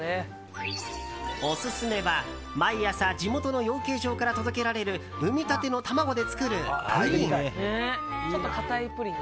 オススメは、毎朝地元の養鶏場から届けられる産みたての卵で作るプリン。